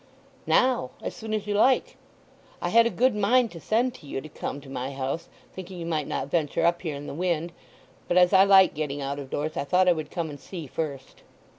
"Now—as soon as you like. I had a good mind to send to you to come to my house, thinking you might not venture up here in the wind. But as I like getting out of doors, I thought I would come and see first."